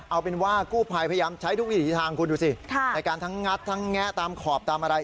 เอาเป็นว่ากู้ภัยพยายามใช้ทุกวิถีทางคุณดูสิในการทั้งงัดทั้งแงะตามขอบตามอะไร